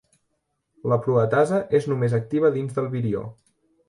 La proteasa és només activa dins del virió.